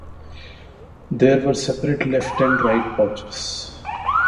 There were separate left and right pouches.